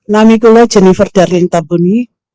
nami kulo jennifer darling tabuni